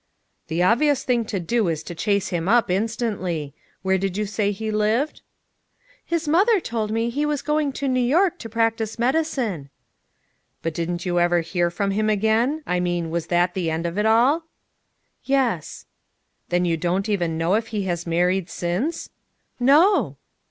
"The obvious thing to do is to chase him up instantly. Where did you say he lived?" "His mother told me he was going to New York to practice medicine." "But didn't you ever hear from him again? I mean, was that the end of it all?" "Yes." "Then you don't even know if he has married since?" "No!"